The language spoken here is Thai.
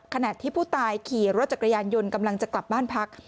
ขณะที่ผู้ตายขี่รถจักรยานยนต์กำลังจะกลับบ้านพัก